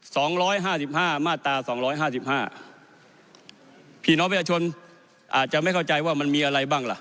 สองร้อยห้าสิบห้ามาตราสองร้อยห้าสิบห้าพี่น้องประชาชนอาจจะไม่เข้าใจว่ามันมีอะไรบ้างล่ะ